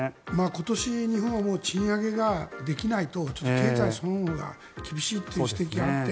今年、日本はもう賃上げができないとちょっと経済そのものが厳しいという指摘があって。